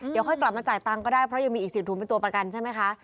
เดี๋ยวค่อยกลับมาจ่ายตังค์ก็ได้เพราะยังมีอีก๔ถุงเป็นตัวประกันใช่ไหมคะ